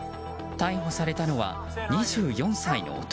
逮捕されたのは、２４歳の男。